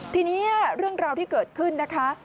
ทีนี้เรื่องราวที่เกิดขึ้นนะคะ